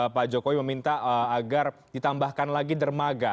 pak jokowi meminta agar ditambahkan lagi dermaga